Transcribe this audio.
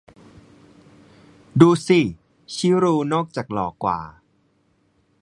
ดูสิ ชิรูด์ นอกจากหล่อกว่า